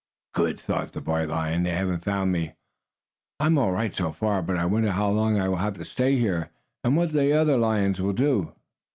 "Good!" thought the boy lion. "They haven't found me! I'm all right so far; but I wonder how long I will have to stay here, and what the other lions will do."